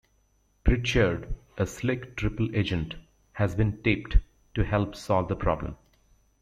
Pritchard, a slick triple agent, has been tapped to help solve the problem.